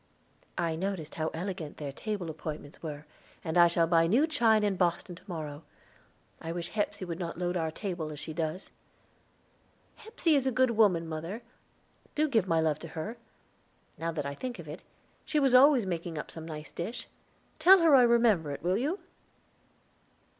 "I noticed how elegant their table appointments were, and I shall buy new china in Boston to morrow. I wish Hepsey would not load our table as she does." "Hepsey is a good woman, mother; do give my love to her. Now that I think of it, she was always making up some nice dish; tell her I remember it, will you?"